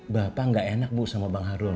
bapak gak enak bu sama bang harun